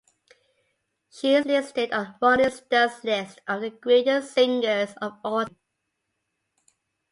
She is listed on Rolling Stone's list of the Greatest Singers of All Time.